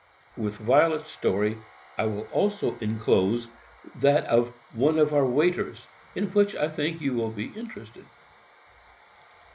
With Violet's story, I will also enclose that of one of our waiters; in which, I think, you will be interested.